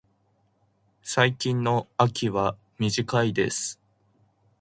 最近の秋は短いです。